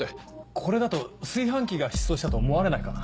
これだと炊飯器が失踪したと思われないかな？